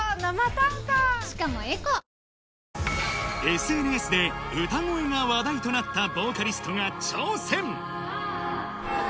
ＳＮＳで、歌声が話題となったヴォーカリストが挑戦。